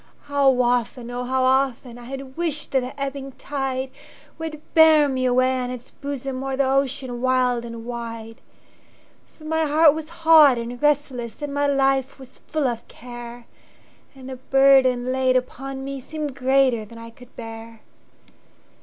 How often, oh how often,I had wished that the ebbing tideWould bear me away on its bosomO'er the ocean wild and wide! For my heart was hot and restless, And my life was full of care, And the burden laid upon meSeemed greater than I could bear.